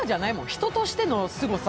人としてのすごさ。